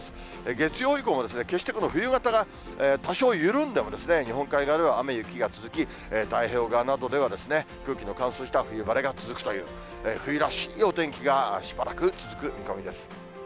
月曜以降も、決してこの冬型が多少緩んでも、日本海側では雨、雪が続き、太平洋側などでは、空気の乾燥した冬晴れが続くという、冬らしいお天気がしばらく続く見込みです。